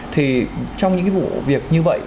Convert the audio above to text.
thì trong những cái vụ việc như vậy